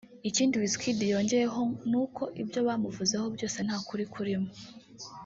Ikindi Wizkid yongeyeho n’uko ibyo bamuvuzeho byose nta kuri kurimo